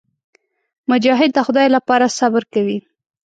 مجاهد د خدای لپاره صبر کوي.